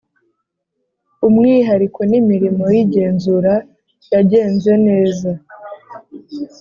umwihariko n imirimo y igenzura yagenze neza